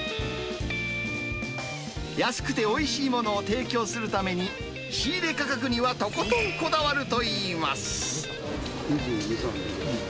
安くておいしいものを提供するために、仕入れ価格にはとことんこだわるといいます。